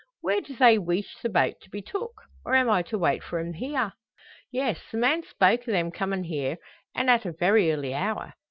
"Where do they weesh the boat to be took? Or am I to wait for 'em here?" "Yes; the man spoke o' them comin' here, an' at a very early hour.